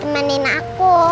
oh udah liat